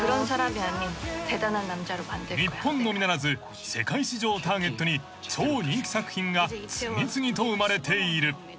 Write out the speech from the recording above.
［日本のみならず世界市場をターゲットに超人気作品が次々と生まれている］